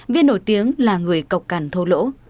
viên nổi tiếng là người cọc cằn thô lỗ